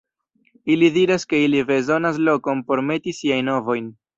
Ili diras ke ili bezonas lokon por meti siajn ovojn.